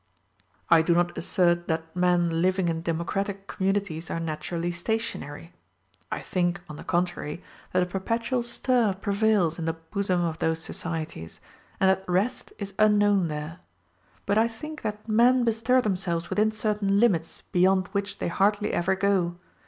I do not assert that men living in democratic communities are naturally stationary; I think, on the contrary, that a perpetual stir prevails in the bosom of those societies, and that rest is unknown there; but I think that men bestir themselves within certain limits beyond which they hardly ever go.